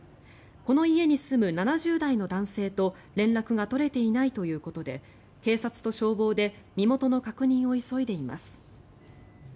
この家に住む７０代の男性と連絡が取れていないということで警察と消防で身元の確認を急いでいます。